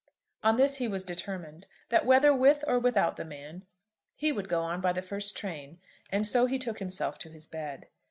On this he was determined, that whether with or without the man, he would go on by the first train; and so he took himself to his bed.